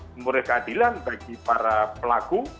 memberi keadilan bagi para pelaku